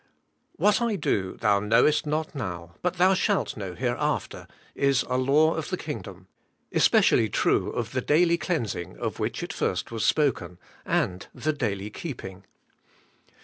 * What I do, thou knowest not now, but thou shalt know hereafter,' is a law of the kingdom, especially true of the daily cleansing of which it first was spoken, and the daily keeping.